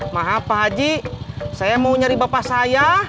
maaf pak haji saya mau nyari bapak saya